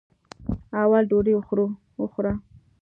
اول ډوډۍ وخوره.